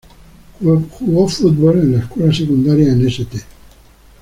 Jugó fútbol en la escuela secundaria en St.